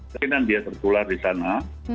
mungkin dia terpulang di sana